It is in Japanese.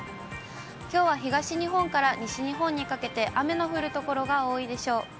きょうは東日本から西日本にかけて、雨の降る所が多いでしょう。